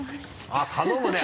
あっ頼むね。